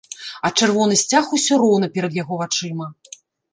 А чырвоны сцяг усё роўна перад яго вачыма.